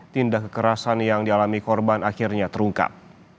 tindak kekerasan yang dialami korban akhirnya terungkap